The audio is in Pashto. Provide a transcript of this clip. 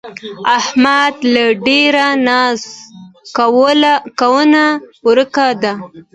د احمد له ډېره نازه کونه ورکه ده.